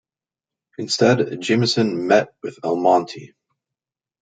Instead, Jameson met with Almonte.